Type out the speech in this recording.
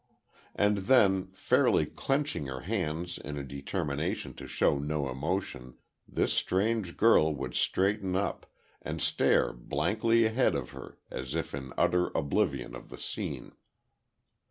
And then, fairly clenching her hands in a determination to show no emotion, this strange girl would straighten up, and stare blankly ahead of her as if in utter oblivion of the scene.